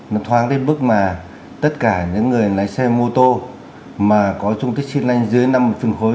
nó thoáng đến bức mà tất cả những người lái xe mô tô mà có trung tích xin lanh dưới năm phân khối